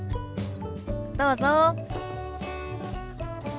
どうぞ。